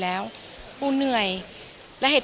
ขอเริ่มขออนุญาต